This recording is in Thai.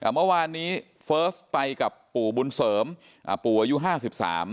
เมื่อวานนี้เฟิร์สไปกับปู่บุญเสริมปู่อายุ๕๓